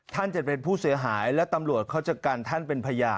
ท่านจะเป็นผู้เสียหายและตำรวจเขาจะกันท่านเป็นพยาน